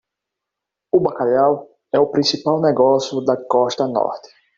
O bacalhau é o principal negócio da costa norte.